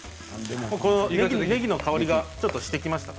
ねぎの香りがちょっとしてきました。